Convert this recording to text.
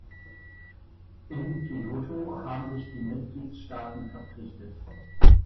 In Kyoto haben sich die Mitgliedstaaten verpflichtet.